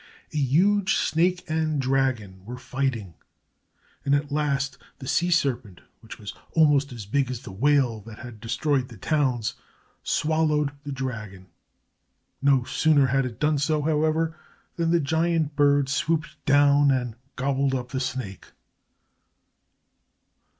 A huge snake and dragon were fighting, and at last the sea serpent, which was almost as big as the whale that had destroyed the towns, swallowed the dragon. No sooner had it done so, however, than the giant bird swooped down and gobbled up the snake.